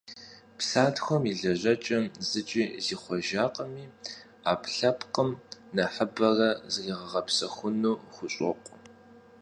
Псантхуэм и лэжьэкӀэм зыкӀи зихъуэжакъыми, Ӏэпкълъэпкъым нэхъыбэрэ зригъэгъэпсэхуну хущӀокъу.